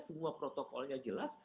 semua protokolnya jelas